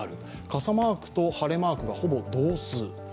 傘マークと晴れマークがほぼ同数。